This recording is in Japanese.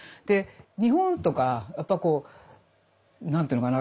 日本とかやっぱこう何て言うのかな